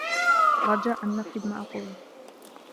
رجاء، نفّذ ما أقوله.